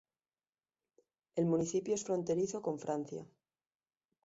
El municipio es fronterizo con Francia.